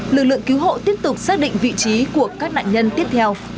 lực lượng cứu hộ tiếp tục xác định vị trí của các nạn nhân tiếp theo